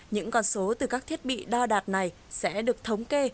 những con số từ các thiết bị đo đạt này sẽ được thống kê